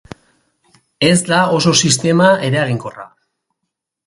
Ez da oso sistema eraginkorra.